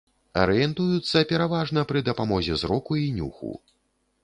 Арыентуюцца пераважна пры дапамозе зроку і нюху.